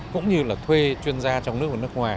cũng như là thuê chuyên gia trong nước và nước ngoài